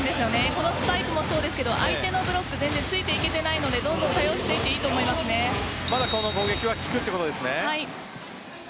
このスパイクもそうですが相手のブロック全然ついていけてないのでまだこの攻撃は効くということですね。